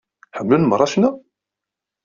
Ḥemmlen meṛṛa ccna?